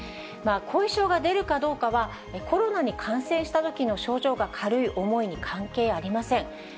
後遺症が出るかどうかは、コロナに感染したときの症状が軽い、重いに関係ありません。